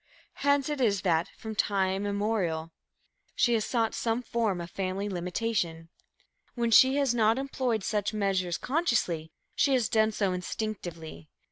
Hence it is that, from time immemorial, she has sought some form of family limitation. When she has not employed such measures consciously, she has done so instinctively.